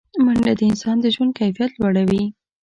منډه د انسان د ژوند کیفیت لوړوي